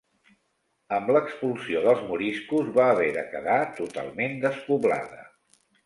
Amb l'expulsió dels moriscos va haver de quedar totalment despoblada.